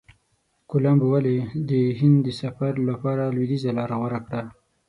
کولمب ولي د هند د سفر لپاره لویدیځه لاره غوره کړه؟